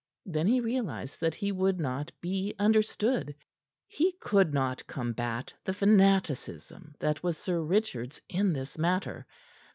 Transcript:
Then he realized that he would not be understood. He could not combat the fanaticism that was Sir Richard's in this matter.